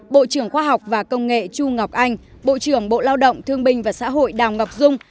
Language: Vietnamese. bộ trưởng khoa học và công nghệ chu ngọc anh bộ trưởng bộ lao động thương binh và xã hội đào ngọc dung